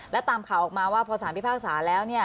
และตามข่าวออกมาว่า